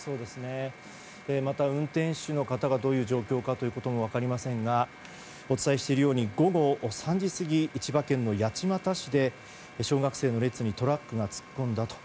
また運転手の方がどういう状況かということも分かりませんがお伝えしているように午後３時過ぎ千葉県の八街市で小学生の列にトラックが突っ込んだと。